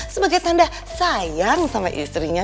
sebagai tanda sayang sama istrinya